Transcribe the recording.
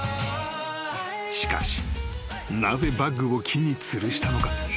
［しかしなぜバッグを木につるしたのか？］